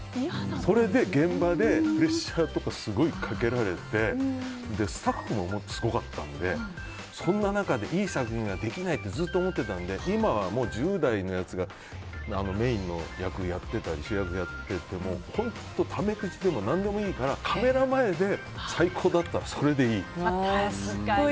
それで現場でプレッシャーとかすごいかけられてスタッフもすごかったのでそんな中でいい作品ができないってずっと思ってたので今はもう１０代のやつが主役とかメインの役をやっていても本当、タメ口でも何でもいいからカメラ前で最高だったらそれでいい。